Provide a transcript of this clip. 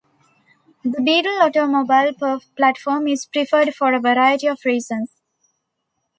The Beetle automobile platform is preferred for a variety of reasons.